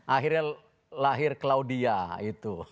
akhirnya lahir claudia itu